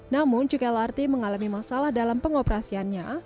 namun jika lrt mengalami masalah dalam pengoperasiannya